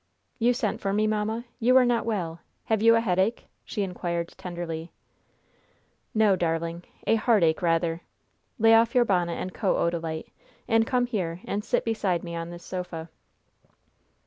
"You sent for me, mamma. You are not well. Have you a headache?" she inquired, tenderly. "No, darling, a heartache, rather. Lay off your bonnet and coat, Odalite, and come here and sit beside me on this sofa."